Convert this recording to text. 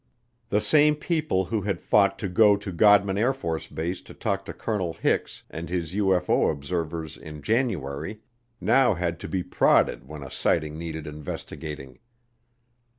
The same people who had fought to go to Godman AFB to talk to Colonel Hix and his UFO observers in January now had to be prodded when a sighting needed investigating.